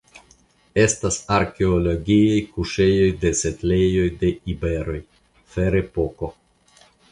Estas arkeologiaj kuŝejoj de setlejoj de iberoj (Ferepoko).